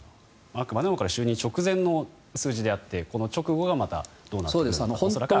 あくまでもこれは就任直前の数字であってこの直後がまたどうなってくるか。